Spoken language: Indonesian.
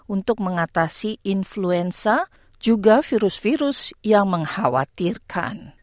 untuk mengatasi influenza juga virus virus yang mengkhawatirkan